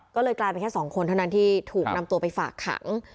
ก็เลยกลายเป็นแค่สองคนเท่านั้นที่ถูกนำตัวไปฝากขัง